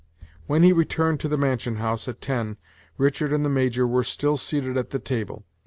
When he returned to the mansion house, at ten, Richard and the Major were still seated at the table.